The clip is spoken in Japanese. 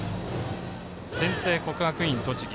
先制、国学院栃木。